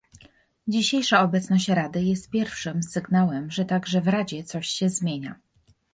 Dzisiejsza obecność Rady jest pierwszym sygnałem, że także w Radzie coś się zmienia